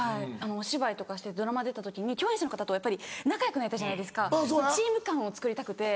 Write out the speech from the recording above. お芝居とかしてドラマ出た時に共演者の方とやっぱり仲よくなりたいじゃないですかチーム感をつくりたくて。